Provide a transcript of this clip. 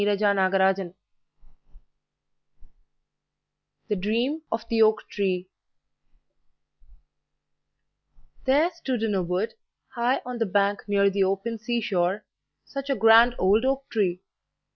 THOMAS CAMPBELL THE DREAM OF THE OAK TREE There stood in a wood, high on the bank near the open sea shore, such a grand old oak tree!